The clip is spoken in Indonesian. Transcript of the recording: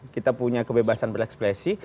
kita punya kebebasan berekspresi